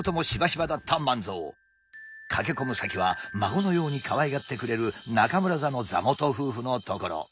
駆け込む先は孫のようにかわいがってくれる中村座の座元夫婦のところ。